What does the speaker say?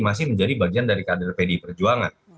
masih menjadi bagian dari kader pdi perjuangan